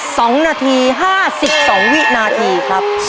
สองนาทีห้าสิบสองวินาทีครับ